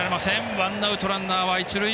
ワンアウト、ランナーは一塁。